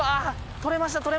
取れました！